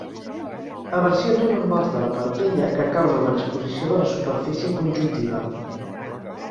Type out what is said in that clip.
Eversions anormals de la parpella que causen l'exposició de la superfície conjuntiva.